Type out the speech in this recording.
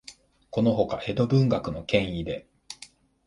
このほか、江戸文学の権威で、